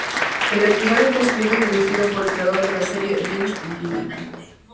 El episodio fue escrito y dirigido por el creador de la serie, Vince Gilligan.